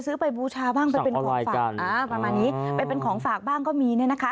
ซื้อไปบูชาบ้างไปเป็นของฝากบ้างก็มีนะคะ